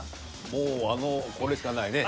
もうあのこれしかないね。